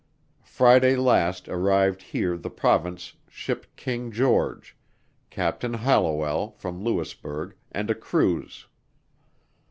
Friday last arrived here the Province ship King George, Captain Hallowell, from Louisburg and a cruize.